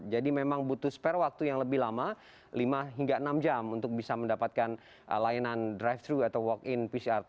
jadi memang butuh spare waktu yang lebih lama lima hingga enam jam untuk bisa mendapatkan layanan drive thru atau walk in pcr test express di bandara suta